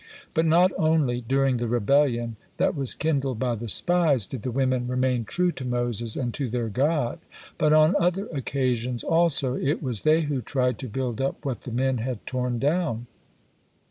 But not only during the rebellion that was kindled by the spies did the women remain true to Moses and to their God, but on other occasions also it was they who tried to build up what the men had torn down.